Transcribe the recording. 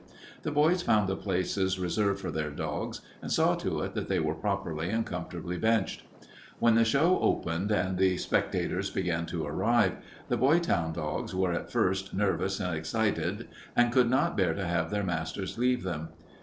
The boys found the places reserved for their dogs and saw to it that they were properly and comfortably benched. When the show opened and the spectators began to arrive, the Boytown dogs were at first nervous and excited and could not bear to have their masters leave them.